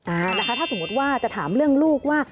อ่านะคะถ้าสมมติว่าจะถามเรื่องลูกว่า